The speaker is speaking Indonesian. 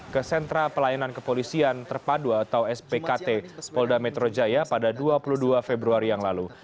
ke sentra pelayanan kepolisian terpadu atau spkt polda metro jaya pada dua puluh dua februari yang lalu